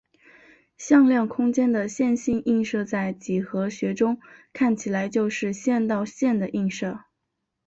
向量空间的线性映射在几何学中看起来就是线到线的映射。